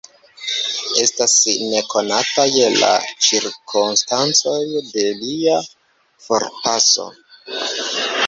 Estas ne konataj la cirkonstancoj de lia forpaso.